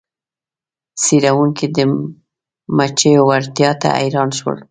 څیړونکي د مچیو وړتیا ته حیران شول.